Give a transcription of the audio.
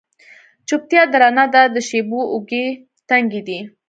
چوپتیا درنه ده د شېبو اوږې، تنکۍ دی